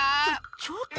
ちょっと。